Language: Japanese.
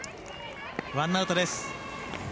ワンアウトです。